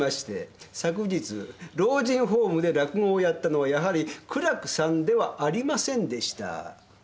昨日老人ホームで落語をやったのはやはり苦楽さんではありませんでした。